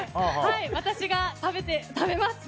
私が食べます。